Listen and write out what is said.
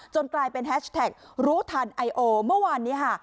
กลายเป็นแฮชแท็กรู้ทันไอโอเมื่อวานนี้ค่ะ